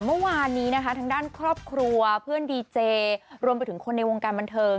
เมื่อวานนี้นะคะทางด้านครอบครัวเพื่อนดีเจรวมไปถึงคนในวงการบันเทิง